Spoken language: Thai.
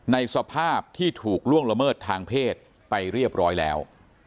ในสภาพที่ถูกล่วงละเมิดทางเพศไปเรียบร้อยแล้ว